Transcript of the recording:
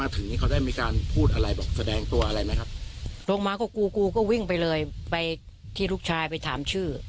ตอนนั้นเราได้ตาม